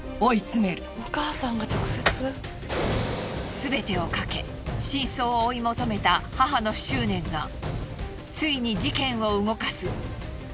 すべてをかけ真相を追い求めた母の執念がついに事件を動かす。